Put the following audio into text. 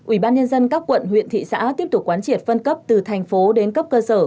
ubnd các quận huyện thị xã tiếp tục quán triệt phân cấp từ thành phố đến cấp cơ sở